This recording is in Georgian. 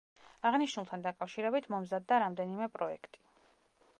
აღნიშნულთან დაკავშირებით მომზადდა რამდენიმე პროექტი.